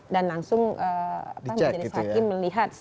dan langsung majelis hakim melihat